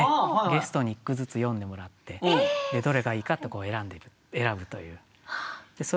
ゲストに一句ずつ詠んでもらってどれがいいかって選ぶという。